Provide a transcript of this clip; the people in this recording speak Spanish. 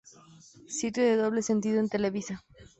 Sitio de Doble Sentido en Televisa